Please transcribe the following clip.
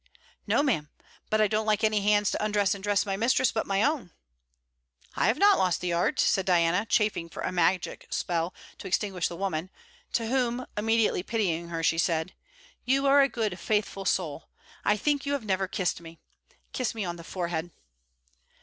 'No, ma'am, but I don't like any hands to undress and dress my mistress but my own.' 'I have not lost the art,' said Diana, chafing for a magic spell to extinguish the woman, to whom, immediately pitying her, she said: 'You are a good faithful soul. I think you have never kissed me. Kiss me on the forehead.'